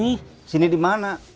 di sini di mana